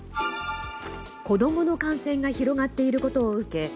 子供の感染が広がっていることを受け